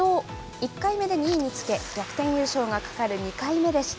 １回目で２位につけ、逆転優勝がかかる２回目でした。